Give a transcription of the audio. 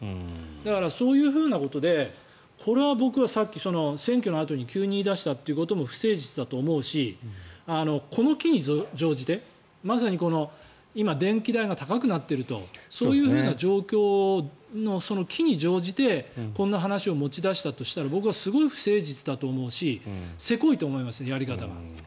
だからそういうふうなことでこれは僕はさっき、選挙のあとに急に言い出したということも不誠実だと思うしこの機に乗じてまさにこの今電気代が高くなっているとそういうふうな状況の機に乗じてこんな話を持ち出したとしたら僕はすごく不誠実だと思うしせこいと思いますやり方が。